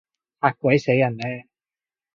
嚇鬼死人咩？